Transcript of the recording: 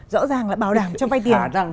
rõ ràng là bảo đảm cho vay tiền